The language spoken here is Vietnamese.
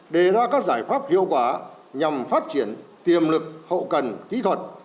đề ra các giải pháp hiệu quả nhằm phát triển tiềm lực hậu cần kỹ thuật